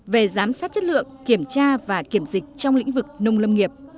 về giám sát chất lượng kiểm tra và kiểm dịch trong lĩnh vực nông lâm nghiệp